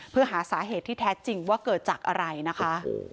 เพื่อหาสาเหตุที่แท้จริงว่าเกิดจากอะไรนะคะ